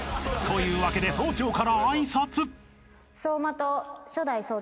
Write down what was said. ［というわけで総長から挨拶］